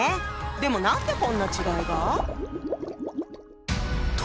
でも何でこんな違いが？